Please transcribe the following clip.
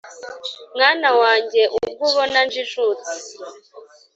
Mwana wange ubwo ubona njijutse